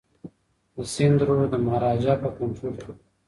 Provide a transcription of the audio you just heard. د سند رود د مهاراجا په کنټرول کي و.